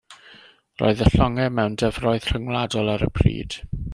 Roedd y llongau mewn dyfroedd rhyngwladol ar y pryd.